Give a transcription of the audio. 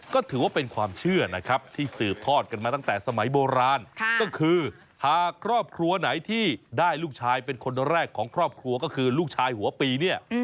ก็ถือว่าเป็นความเชื่อนะครับที่สืบทอดกันมาตั้งแต่สมัยโบราณก็คือหากครอบครัวไหนที่ได้ลูกชายเป็นคนแรกของครอบครัวก็คือลูกชายหัวปีเนี่ย